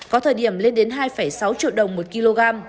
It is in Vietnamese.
có thời điểm lên đến hai sáu triệu đồng một kg